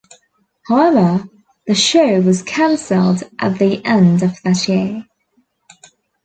However, the show was canceled at the end of that year.